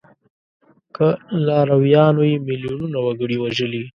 که لارویانو یې میلیونونه وګړي وژلي.